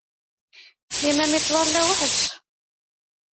Limam ittẓalla weḥd-s.